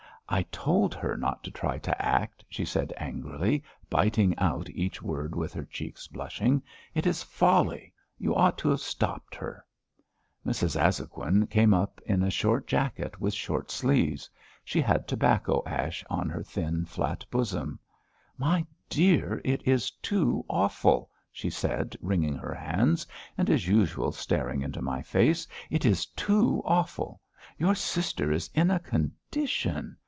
"I told her not to try to act," she said angrily, biting out each word, with her cheeks blushing. "It is folly! You ought to have stopped her!" Mrs. Azhoguin came up in a short jacket with short sleeves. She had tobacco ash on her thin, flat bosom. "My dear, it is too awful!" she said, wringing her hands, and as usual, staring into my face. "It is too awful!... Your sister is in a condition....